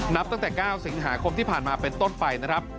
นับตั้งแต่๙สิงหาคมที่ผ่านมาเป็นต้นไปนะครับ